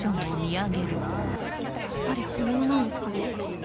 やっぱり本物なんですかね。